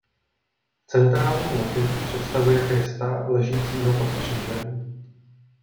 Centrální motiv představuje Krista ležícího pod křížem.